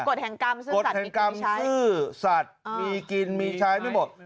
กฏแห่งกรรมศึสัตว์มีกินมีใช้ไม่หมด